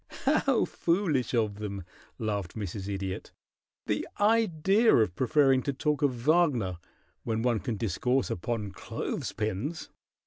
"How foolish of them!" laughed Mrs. Idiot. "The idea of preferring to talk of Wagner when one can discourse upon clothes pins!"